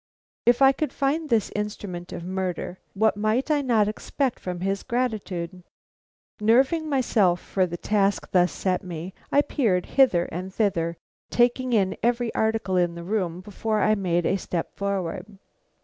If I could find this instrument of murder, what might I not expect from his gratitude. Nerving myself for the task thus set me, I peered hither and thither, taking in every article in the room before I made a step forward.